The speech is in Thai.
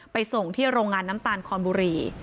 ส่งที่โรงงานน้ำตาลคอนบุรี